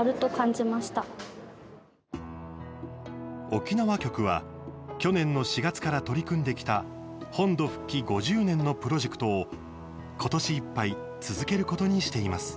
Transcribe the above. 沖縄局は去年の４月から取り組んできた「本土復帰５０年」のプロジェクトをことしいっぱい続けることにしています。